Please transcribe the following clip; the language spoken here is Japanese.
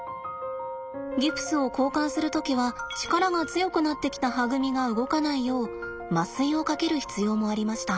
ギプスを交換する時は力が強くなってきたはぐみが動かないよう麻酔をかける必要もありました。